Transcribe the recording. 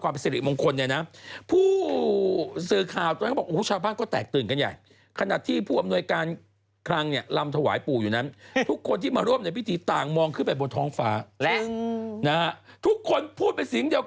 มีควกันเลยตัวเลขนั่นเลย